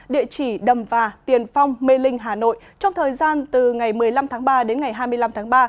địa chỉ đầm và tiền phong mê linh hà nội trong thời gian từ ngày một mươi năm tháng ba đến ngày hai mươi năm tháng ba